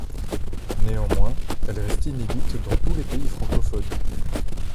Néanmoins, elle reste inédite dans tous les pays francophones.